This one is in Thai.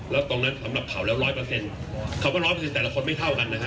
แล้วตรงนั้นสำหรับเขาแล้วร้อยเปอร์เซ็นต์คำว่าร้อยเปอร์เซ็นแต่ละคนไม่เท่ากันนะฮะ